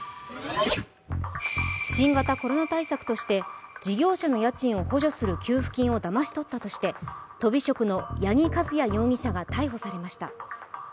新型コロナ対策として事業者の家賃を補助する給付金をだまし取ったとしてとび職の矢木和也容疑者が逮捕されました。